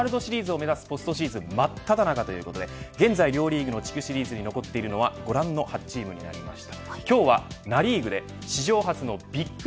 ワールドシリーズを目指すポストシーズン真っただ中ということで現在、両リーグの地区シリーズに残っいるのはご覧のチームになりました。